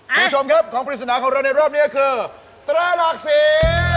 คุณผู้ชมครับของปริศนาของเราในรอบนี้คือตราหลากสี